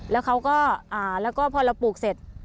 แล้วพอเราปลูกเสร็จ